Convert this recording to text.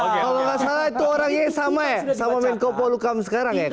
kalau nggak salah itu orangnya sama ya sama menko polukam sekarang ya